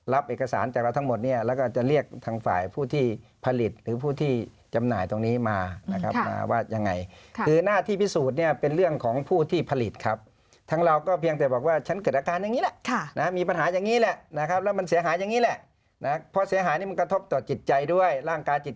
เอกสารจากเราทั้งหมดเนี่ยแล้วก็จะเรียกทางฝ่ายผู้ที่ผลิตหรือผู้ที่จำหน่ายตรงนี้มานะครับมาว่ายังไงคือหน้าที่พิสูจน์เนี่ยเป็นเรื่องของผู้ที่ผลิตครับทั้งเราก็เพียงแต่บอกว่าฉันเกิดอาการอย่างนี้แหละมีปัญหาอย่างนี้แหละนะครับแล้วมันเสียหายอย่างนี้แหละนะเพราะเสียหายนี่มันกระทบต่อจิตใจด้วยร่างกายจิต